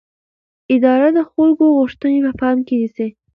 اداره د خلکو غوښتنې په پام کې نیسي.